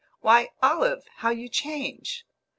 "Why, Olive, how you change!"